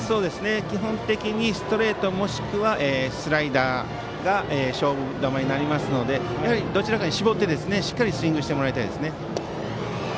基本的にストレートもしくはスライダーが勝負球になりますのでどちらかに絞ってしっかりスイングしてもらいたいですね。